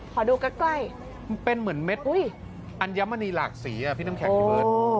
ขอดูใกล้เป็นเหมือนเม็ดอัญมณีหลากสีอ่ะพี่น้ำแข็งพี่เบิร์ต